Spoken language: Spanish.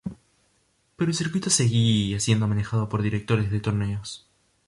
Pero el circuito seguía siendo manejado por directores de torneos.